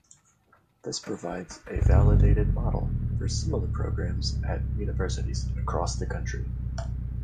This provides a validated model for similar programs at universities across the country.